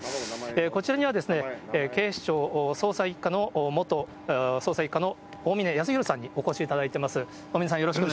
こちらには警視庁元捜査１課の大峯泰廣さんにお越しいただいています。